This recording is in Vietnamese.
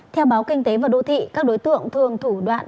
theo báo kinh tế và đô thị các đối tượng thường thủ đoạn